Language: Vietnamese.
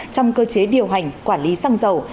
trong cơ chế điều hành quản lý săng dầu